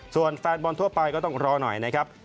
ส่วนแฟนบอลทั่วไปก็ต้องรอหน่อยนะครับ